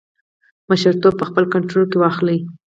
مشرتوب په خپل کنټرول کې واخلي.